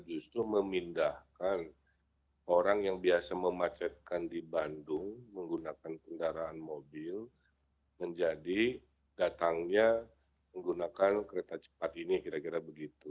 justru memindahkan orang yang biasa memacetkan di bandung menggunakan kendaraan mobil menjadi datangnya menggunakan kereta cepat ini kira kira begitu